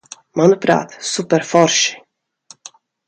Manuprāt, superforši.